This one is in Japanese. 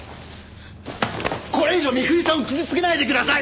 これ以上美冬さんを傷つけないでください！